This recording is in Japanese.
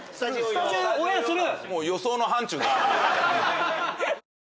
スタジオオンエアする。